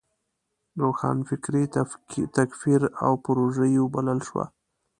روښانفکري تکفیر او پروژيي وبلل شوه.